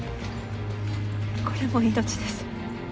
これも命です